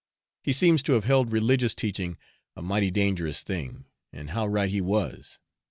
He seems to have held religious teaching a mighty dangerous thing and how right he was!